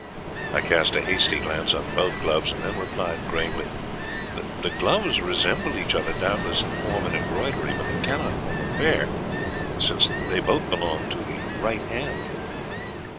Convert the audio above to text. I cast a hasty glance on both gloves, and then replied gravely "The gloves resemble each other, doubtless, in form and embroidery; but they cannot form a pair, since they both belong to the right hand."